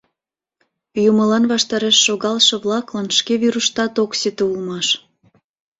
Юмылан ваштареш шогалше-влаклан шке вӱрыштат ок сите улмаш.